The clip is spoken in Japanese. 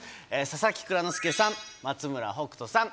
佐々木蔵之介さん松村北斗さん